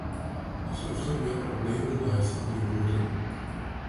Des Öfteren werden auch Label-Nights angeboten.